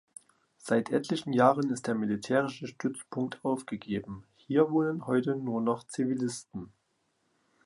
Seit etlichen Jahren ist der militärische Stützpunkt aufgegeben; hier wohnen heute nur noch Zivilisten.